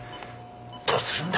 どうするんだ？